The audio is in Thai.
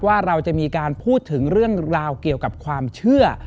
ว่าเราจะมีการพูดถึงเรื่องราวเกี่ยวกับความเชื่อ